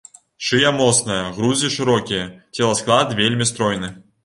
Шыя моцная, грудзі шырокія, целасклад вельмі стройны.